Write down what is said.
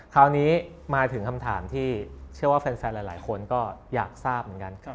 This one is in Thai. คราวนี้มาถึงคำถามที่เชื่อว่าแฟนหลายคนก็อยากทราบเหมือนกัน